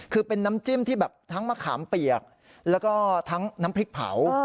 คือเป็นน้ำจิ้มที่แบบทั้งมะขามเปียกแล้วก็ทั้งน้ำพริกเผา